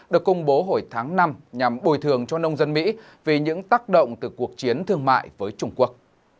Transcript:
được công bố hồi tháng năm nhằm bồi thường cho nông dân mỹ vì những tác động từ cuộc chiến thương mại với trung quốc